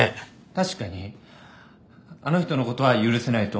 確かにあの人のことは許せないと思っています。